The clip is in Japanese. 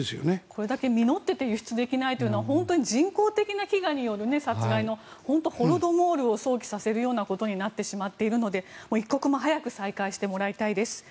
これだけ実っていて輸出できないというのは人工的な飢餓による殺害のホロドモールを想起させるようなことになってしまっているので一刻も早く再開してもらいたいです。